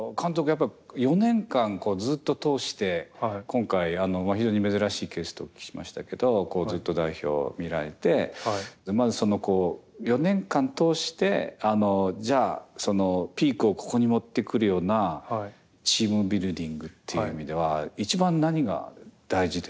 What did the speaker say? やっぱり４年間ずっと通して今回非常に珍しいケースとお聞きしましたけどずっと代表を見られてまずこう４年間通してじゃあピークをここに持ってくるようなチームビルディングっていう意味では一番何が大事なんですかね